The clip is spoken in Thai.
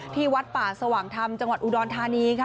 ที่วัดป่าสว่างธรรมจังหวัดอุดรธานีค่ะ